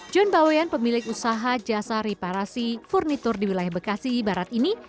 john baweyan pemilik usaha jasa reparasi furnitur di wilayah bekasi barat ini